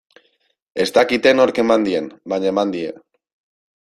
Ez dakite nork eman dien, baina eman die.